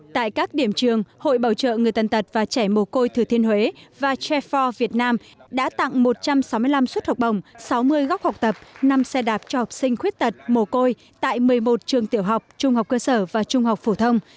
tại các điểm trường hội bảo trợ người tàn tật và trẻ mồ côi thừa thiên huế và tre for việt nam đã tặng một trăm sáu mươi năm suất học bổng sáu mươi góc học tập năm xe đạp cho học sinh khuyết tật mồ côi tại một mươi một trường tiểu học trung học cơ sở và trung học phổ thông